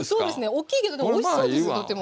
おっきいけどおいしそうですとっても。